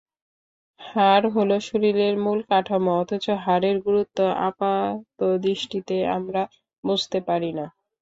হাড় হলো শরীরের মূল কাঠামো, অথচ হাড়ের গুরুত্ব আপাতদৃষ্টিতে আমরা বুঝতে পারি না।